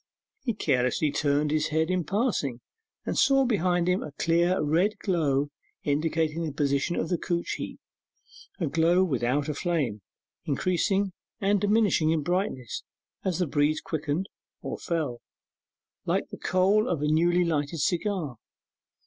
He carelessly turned his head in passing, and saw behind him a clear red glow indicating the position of the couch heap: a glow without a flame, increasing and diminishing in brightness as the breeze quickened or fell, like the coal of a newly lighted cigar.